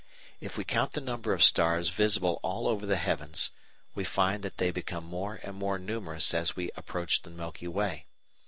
If we count the number of stars visible all over the heavens, we find they become more and more numerous as we approach the Milky Way.